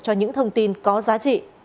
cho những thông tin có giá trị